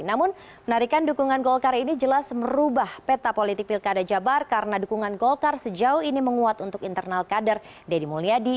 namun penarikan dukungan golkar ini jelas merubah peta politik pilkada jabar karena dukungan golkar sejauh ini menguat untuk internal kader deddy mulyadi